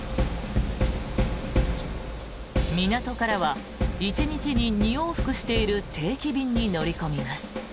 港からは１日に２往復している定期便に乗り込みます。